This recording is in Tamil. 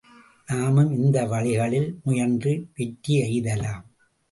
நாமும் இந்த வழிகளில் முயன்று வெற்றி எய்தலாம்.